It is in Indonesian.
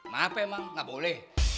maaf emang nggak boleh